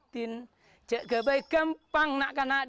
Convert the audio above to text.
jika saya bergantung saya akan menang